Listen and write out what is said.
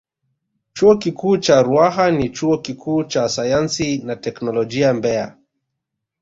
Chuo Kikuu cha Ruaha na Chuo Kikuu cha Sayansi na Teknolojia Mbeya